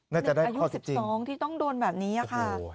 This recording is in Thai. น่าจะได้ข้อจริงอายุ๑๒ที่ต้องโดนแบบนี้ค่ะ